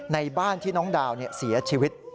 ในบ้านที่น้องดาวเสียชีวิต